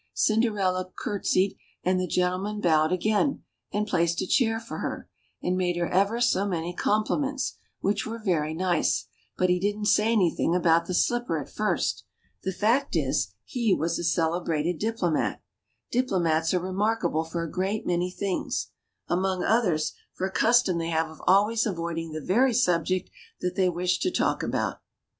Cinderella courte sied, and the gentleman bowed again, and placed a chair for her, and made her ever so many compliments, which were very nice ; but he didn't say anything about the slipper at first. The fact is, he was a celebrated diplo mat. Diplomats are remarkable for a great many things ; among others, for a custom they have of always avoiding the very subjects that they wish to talk about.